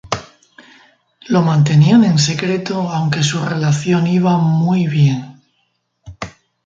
Lo mantenían en secreto aunque su relación iba muy bien.